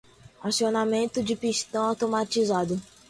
Acionamento de pistão automatizado